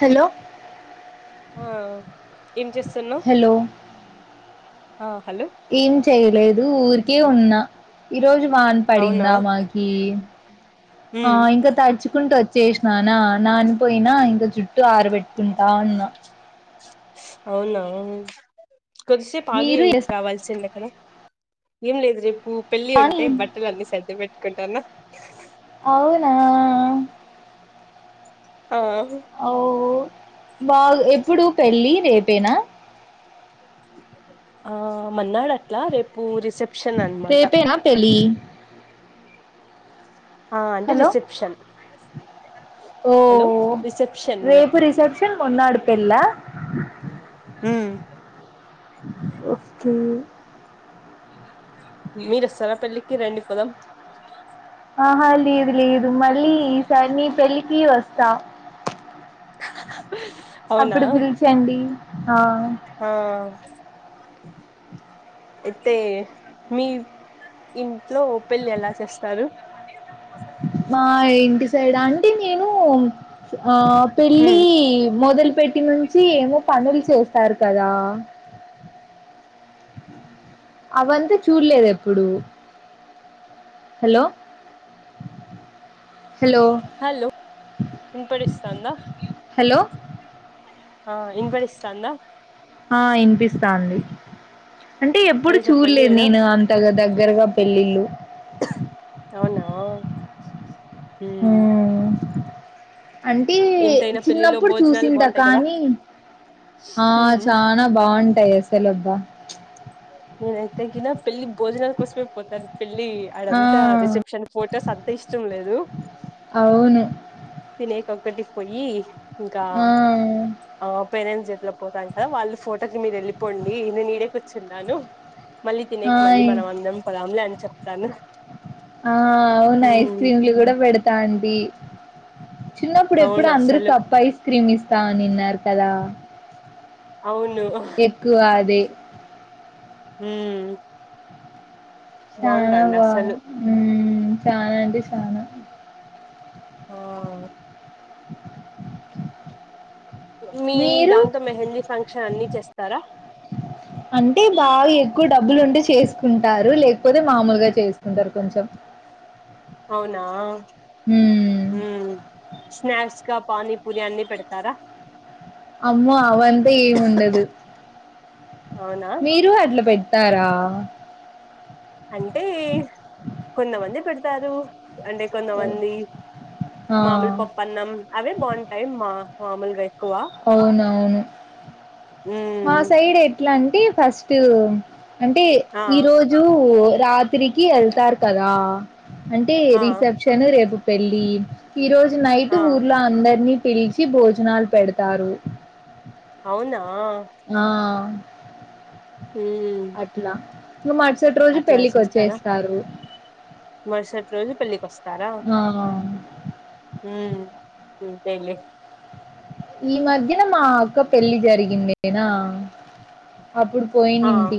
Hello ఆ ఏం చేస్తున్నావ్ హలో ఆ హలో ఏం చెయలేదు ఊరికే ఉన్నా ఈ రోజు వాన అవునా పడిందా మాకి ఆ ఉమ్ ఇంకా తడుచుకుంటూ వచ్చేసిననా నాన్ని పోయినా ఇంకా జుట్టు ఇలా ఆరబెట్టుకుంటా ఉన్న అవునా కొద్దిసేపు ఆగి మీరు రావాల్సింది అక్కడ ఏం లేదు రేపు పెళ్ళి కానీ ఉంటే బట్టలు అన్నీ సద్ది పెట్టుకుంట్టున్న, అవునా ఆ బా ఎప్పుడు పెళ్ళి రేపేనా ఆ రామన్నాడు అట్లా రేపు రి రేపేనా పెళ్లి ఆ అంటే హలో రిసెప్షన్ ఓ హలో రిసెప్షన్ రేపు రిసెప్షన్ మరోన్నాడు పెళ్లా ఉ ఓకే మీరు వస్తారా పెళ్లికి రండి పోదాం, ఆహ లేదు లేదు మళ్ళీ ఈసారి నీ పెళ్ళికి వస్తా అవునా అప్పుడు పిలిచండి ఆ ఆ [unintelligible] ఐతే మీ ఇ ట్లో పెళ్లి ఎలా చేస్తారు. ఇటుసైడ్ అంటే మేము ఆ పెళ్ళి ఉమ్ మొదలు పెట్టి నుంచి ఏమో పనులు చేస్తారు కదా ఆవంతా చూడలేదు ఎప్పుడు హలో హలో హలో వినపడుస్తాందా, హలో ఆ వినపడిస్తానందా ఆ వినిపిస్తాంది అంటే ఎప్పుడు అదే చెప్పండి చూడలేదు ఏదో నేను అంతగా దగ్గర దగ్గర గా పెళ్ళిళ్ళు అవునా ఉమ్ ఉ అంటే ఎంతైనా పెళ్ళిలో చిన్నప్పుడు భోజనాలు చూసింట బాగుంటాయి కదా కానీ ఆ ఉమ్ చానా బాగుంటాయి అసలు అబ్బా నేను అయితే ఎప్పుడు వెళ్లినా పెళ్లి భోజనాల కోసమె పోతాను పెళ్లి ఆ ఆడంతా రిసెప్షన్ ఫొటోస్ అంతా ఇష్టం లేదు అవును తినే ఒకటికి పోయి ఇంకా ఆ ఆ పేరెంట్స్ చేపినట్లో పోతారు కదా వాళ్ళు ఫో ఇతకి మీరు వెళ్ళిపోండి నేను ఇడే కూర్చున్నాను మళ్ళీ తినేకి మళ్ళీ ఆయ్ మనం అందం పోదంలే అ చెప్తాను ఆ అవును ఐస్ ఉమ్ క్రీమ్లు కూడా పెడతా అండి చిన్నప్పుడు ఎప్పుడు అవును అందరుకి అసలు కప్పు ఐస్ క్రీమ్ ఇస్తామనిన్నారు కదా అవును ఎక్కువ అదే ఉ చానా బ ఉ చానా అంటే చానా ఆ [inaudible] మీ మీరు దాంతో మెహందీ ఫంక్షన్ అన్ని చేస్తారా అంటే బాగా ఎక్కువ డబ్బులు ఉంటే చేసుకుంటారు లేకపోతే మామూలుగా చేసుకుంటారు కొంచెం. అవునా మ్మ్ ఉ స్నాక్స్ కప్ పానీ పూరి అన్ని పెడతారా అమ్మో అవంటే ఏముండదు అవునా మీరు అట్లా పె తరా అంటే కొంతమంది పెడతారు అంటే కొంతమంది ఆ మామూలు పప్పన్నం అవే బాగుంటాయ్ మా మామూలుగా అయితే అవునవును మా ఉమ్ సైడ్ ఎట్లా అంటే ఫస్టు అంటే ఆ ఈరోజు రాత్రికి వెళ్తారు కదా అంటే ఆ రిసెప్షను రేపు పెళ్ళి ఈ రోజు నైట్ ఆ ఊర్లో అందరినీ పిలిచి భోజనాలు పెడతారు అవునా ఆ ఉ ఇగ మరుసటి రోజు పెళ్లికి వచ్చేస్తారు మరుసటి రోజు పెళ్ళికి వస్తారా ఆ ఇంతలె ఈ మధ్యన మా అక్క పెళ్ళి జరిగిండేనా అప్పుడు ఆ పోయినింటి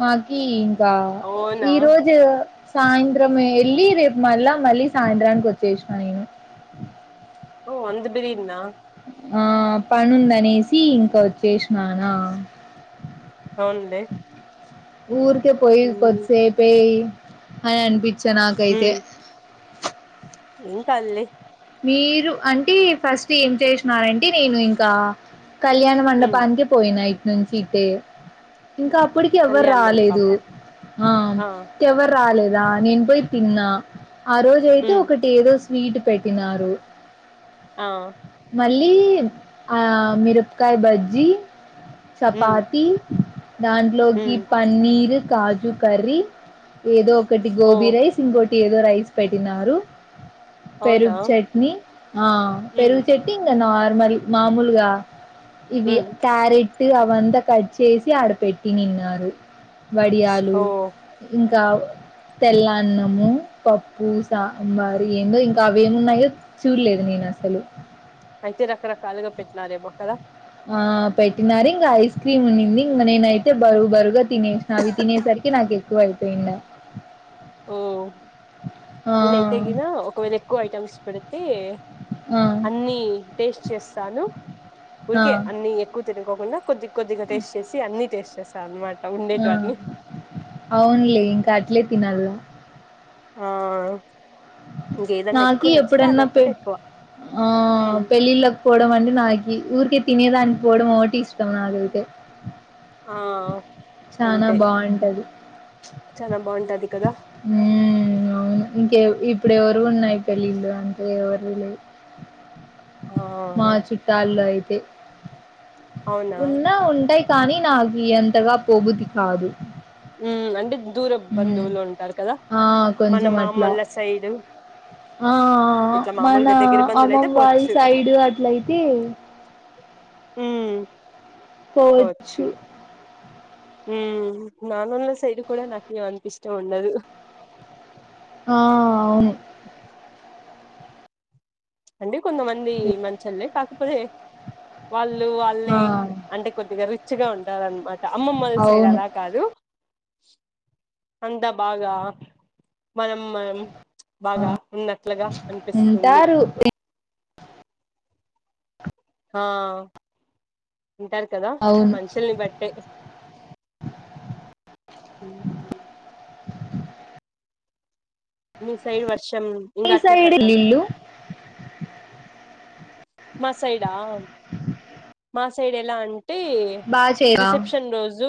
మాకి ఇంకా అవునా ఈ రోజు సాయంత్రమే వెళ్ళి రేపు మళ్ళా మళ్ళీ సాయంత్రానికి వచ్చేసినా నేను. ఓ అంత బిరిన్నా ఆ పనుందనేసి ఇంకా వచ్చేసినానా అవునులే ఊరికే పోయి ఉమ్ కొద్దిసేపే అని అనిపించా నాకైతే ఎమ్ కాదలే మీరు అంటే ఫస్ట్ ఏం చేసినారంటే నేను ఇంకా కళ్యాణ మ్మ్ మండపానికి పోయిన ఇట్నుంచు ఇటే ఇంకా అప్పటికి ఎవరు కళ్యాణ రాలేదు మంటపమా ఆ ఎవరు రాలేదు ద నేను పోయి తిన్నా ఆ రోజయితే మ్మ్ ఒకటి ఏదో స్వీట్ పెట్టినారు. ఆ మళ్ళీ ఆ మిరపకాయ బజ్జీ మ్మ్ చపాతి దాంట్లోకి మ్మ్ పన్నీరు కాజు కర్రీ ఏదో ఒకటి ఓ గోబీ రైస్ ఇంకోటి ఏదో రైస్ పెట్టినారు అవునా పెరుగు చెట్నీ ఆ మ్మ్ పెరుగు చెట్నీ ఇంకా నార్మల్ మామూలుగా ఇవి మ్మ్ క్యారెట్ అవంతా కట్ చేసి ఆడ పెట్టినిన్నారు. వడియాలు ఓ ఉ తెల్లన్నము పప్పు సాంబారు ఏందో ఇన్ అవి [unintelligible] న్నాయో చూడలేదు నేను అసలు అయితే రకరకాలుగా పెట్టినారేమో కదా ఆ పెట్టినారు ఇంకా ఐస్ క్రీమ్ ఉనింది ఇంక నేనయితే బరు బరుగా తినేసిన అవి తినేసరికి నాకు ఎక్కువ అయిపోయిండ ఓ ఆ నేనైతే గిన ఒకవేళ ఎక్కువ ఐటమ్స్ పెడితే ఆ అన్ని టేస్ట్ చేస్తాను ఆ ఊరికే అన్ని ఎక్కు వ తినుకోకుండా కొద్ది కొద్దిగా టేస్ట్ చేసి అన్ని టేస్ట్ చేస్తారు అనమాట ఆ ఉండేటివన్నీ అవునులే ఉమ్. ఇంకా అట్లే తిన్నల ఆ ఇంకేదన్నా నాకి ఎక్కువ నచ్చితే ఎప్పుడన్నా పె అదొక్కటి ఎక్కువ ఆ మ్మ్ పెళ్ళిళ్ళకి పోడం అండి నాకి ఊ తినే దానికి పోవడం ఇష్టం నాకైతే ఆ చానా అంతే బాగుంటది చాల బాగుంటది కదా ఉ అవును ఇంకే ఇప్పుడు ఎవరు ఉన్నాయి పెళ్ళిళ్ళు అంటే [unintelligible] మా ఆ చుట్టాలో అయితే అవునా ఉన్నా ఉంటాయి కానీ నాకు అంతగా పోబుద్ధి కాదు ఉ అంటే దూర హ్మ్. బంధువులు ఉంటారు కదా ఆ! మన కొంచెం అట్లా. మామోళ్ళ సైడు ఆ మన బంధువులు అయితే అమ్మమ్మ వళ్ల్ పోవచ్చు సైడ్ అట్లయితే ఉ పోవచ్చు ఉ నానున్న సైడ్ కూడ నాకే అంత ఇష్టం ఉండదు ఆ అవును అండి కొంతమంది మంచోల్లే కాకపోతే వాళ్ళు వాళ్ళే ఆ! అంటే కొద్దిగా రిచ్ గా ఉంటారన్నమాట అమ్మొమ్మొల్ల సైడ్ అవును. అలా కాదు అంతా బాగా మనం మనం బాగ ఉన్నట్లుగా అనిపిస్తుంది ఉంటారు. హా అంటారు కదా అవును. మనుషుల్ని బట్టే హు మీ సైడ్ వర్షం ఇంగ మీ అట్లే సైడ్ పడతాంద ఇల్లు [unintelligible] మా సైడా మా సైడ్ ఎలా అం [unintelligible] బా చేరా? రిసెప్షన్ రోజు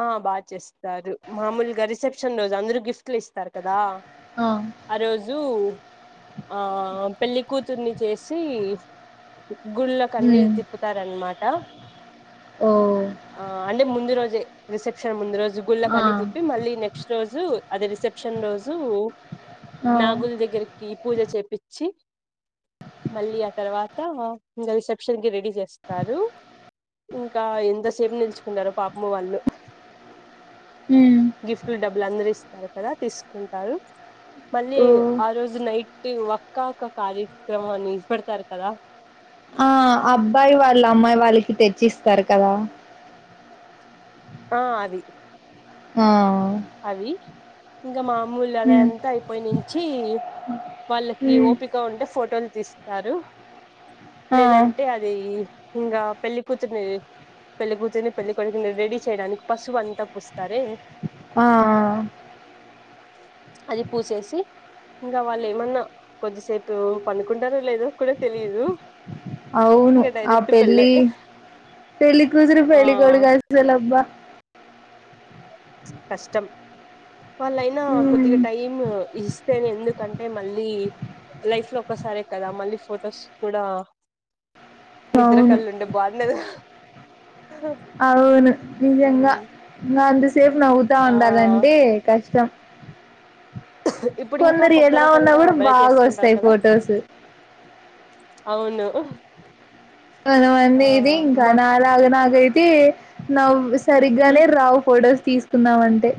ఆ బాగ చేస్తారు మామూలుగా రిసెప్షన్ రోజు అందరు గిఫ్ట్లు ఇస్తారు కదా ఆ రోజు ఆ పెల్లి కూతుర్ని చేసి గుళ్ళకన్నీ హ్మ్. తిప్పుతారనమాట ఓహ్! ఆ అంటే ముందు రోజే రిసెప్షన్ ముందు రోజే గుళ్ళకి ఆ! అన్ని తిప్పి మళ్ళీ నెక్స్ట్ రోజు అదే రిసెప్షన్ రోజు ఆ! నాగుల్ దగ్గరికి పూజ చేపిచ్చి మళ్ళీ ఆ తర్వాత ఇంకా రిసెప్షన్ కి రెడీ చేస్తారు ఇంకా ఎంతసేపు నిలుచుకుంటారో పాపము వాళ్ళు హ్మ్. గిఫ్ట్లు డబ్బులు అందరు ఇస్తారు కదా తీసుకుంటారు మళ్ళీ ఓహ్! ఆ రోజు నైట్ వక్క కార్యక్రమని [unintelligible] పడతారు కదా ఆ అబ్బాయి వాళ్ళు అమ్మాయి వాళ్ళకి తెచ్చిస్తారు కదా ఆ అది ఆ అవి ఇంకా మామూలు అది హ్మ్. అంతా అయిపోయి నుంచి వాళ్ళకి హ్మ్. ఓపిక ఉంటే ఫోటోలు తీసు కుంటారు ఆ లేదంటే అది ఇంకా పెళ్లి కూతురిని పెళ్లి కూతురుని పెళ్ళికోడుకూని రెడీ చేయడానికి పసువు అంతా పుస్తారే ఆ అది పూసేసి ఇంకా వాళ్ళు ఏమన్నా కొద్దిసేపు పనుకుంటారో లేదో కూడా తెలిదు అవును ఆ పెళ్లి పెళ్ళికూతురు ఆ పెళ్ళికొడుకు అసలు అబ్బా కష్టం వాళ్ళయినా కొద్దిగా హ్మ్ టైం ఇస్తే ఎందుకం టే మళ్ళీ లైఫ్ లో ఒకసారే కదా మళ్ళీ ఫొటోస్ కూడా నిద్ర అవును కల్ళు ఉండే బాగుండదు అవును నిజంగా ఇంకా అంతసేపు నవ్వుతా ఆ ఉండాలంటే కష్టం ఇప్పుడు ఇంకా కొందరు కొత్త ఎలా ఉన్నా రకంగా కూడా భలే బాగా చేసుకుంటారు ఓస్తాయి కదా ఫొటోస్ అవును మనవన్న ఆ ఇది ఇంకా అమ్మా నాలాగ నాకు అయితే నవ్వు అస్తు సరిగ్గానే రావు ఫొటోస్ తీసుకుందాం అంటే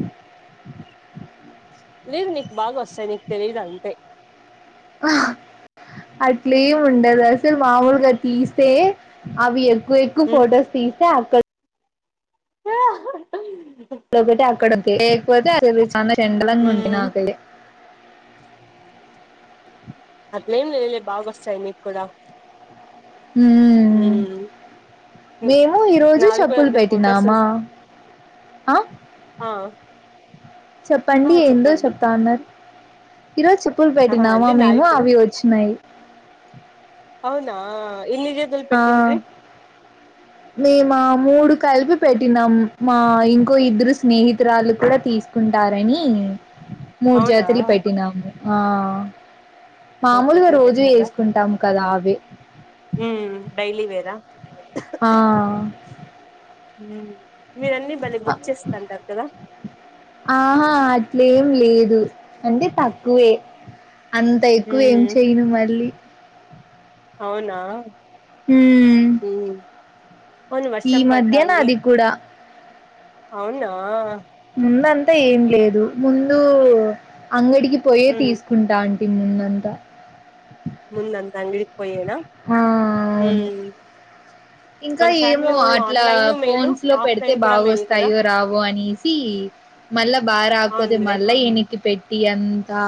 లేదు నీకు బాగా వోస్తాయి నీకు తెలీదు అంతే ఆ అట్లే ఏం ఉండదు ఆసలు మాముూలుగా తీస్తే అవి ఏ ఎక్కువ ఎక్కువ ఫొటోస్ తీస్తే అక్కడ ఆ [unintelligible] ఒకటి అక్కడ లేకపోతే అది చెండలంగా ఉంటంది ఉమ్ నాకది అట్లెం లేధులే బాగోస్తాయి నీకు కూడా హ్ ఉమ్ మేము ఈ రోజు నావి కూడా చెప్పులు అంతే ఫొటోస్ పెట్టినామా ఆ ఆ ఆ చెప్పండి ఎంధో చెప్పండి చెప్తా ఆన్నర్ ఈ రోజు చెప్పులు ఆహా పెట్టినామా అంటే నావి మేము కూడా అవి ఓచ్చినాయి అవునా ఎన్ని జతలు పెట్టింది. మా మూడు కలిపి పెట్టినాం మా ఇంకో ఇద్దరు స్నేహితురాళ్ళు కూడా తీసుకుంటార్ వని మూడు అవునా జాతలు పెట్టినాము ఆ మూడు మామూలుగా జతలు రోజూ పెట్టినారా వేసుకుంటాము కదా అవి ఉమ్ డైలీ వేరా ఆ హ్ మీరు అన్నీ భలే ఆ బుక్ చేస్తంటారు కదా ఆహా అట్లేం లేదు అంటే తక్కువే అంత ఎక్కువ ఏం ఉమ్ చెయను మళ్ళీ అవునా హ్ ఉమ్ అవును ఈ వర్షం మధ్యన పడతాంది అది కూడా అవునా ముందంతా ఏం లేదు ముందు అంగడికి పోయే ఉమ్ తీసుకుంటా అం ముందంతా ముందంత అంగడికి పోయేనా? ఆ అవును హ్మ్ ఇంకా ఏమో అట్లా మేలు ఫోన్స్ లో పెడితే ఆఫ్లైన్ కూడా మేలు కదా బాగొస్తాయో రావో అని మళ్ళా బారకపోతే అవునులే మళ్ళా ఎనికి పెట్టి అంతా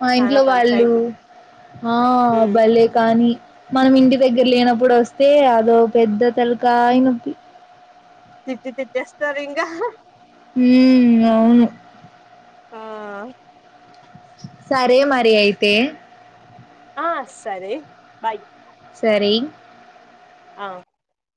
మా చానా ఇంట్లో వాళ్ళు పంచాయతీ ఆ ఉమ్ భలే కానీ మనం ఇంటి దగ్గర లేనప్పుడు వస్తే, అదో పెద్ద తలకాయి నొప్పి తిట్టి తిట్టియేస్తారు ఇంగా హ్ హ్మ్ అవును. ఆ సరే మరి అయితే ఆ సరే బాయ్. సరి ఆ